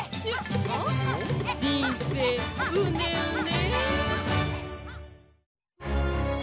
じんせいうねうね。